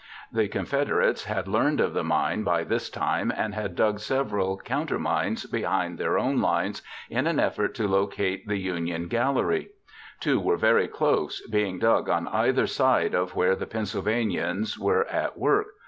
The Confederates had learned of the mine by this time and had dug several countermines behind their own lines in an effort to locate the Union gallery. Two were very close, being dug on either side of where the Pennsylvanians were at work.